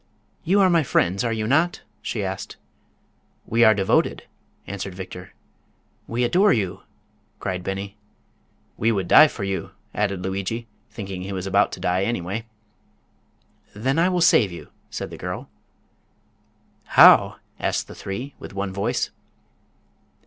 "You are my friends, are you not?" she asked. "We are devoted!" answered Victor. "We adore you!" cried Beni. "We would die for you!" added Lugui, thinking he was about to die anyway. "Then I will save you," said the girl. "How?" asked the three, with one voice.